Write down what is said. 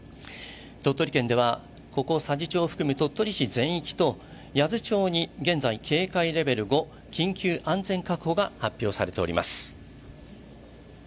鳥取県ではここ佐治町を含む鳥取市全域と八頭町に現在警戒レベル５、緊急安全確保が発表されております。